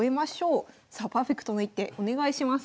さあパーフェクトな一手お願いします。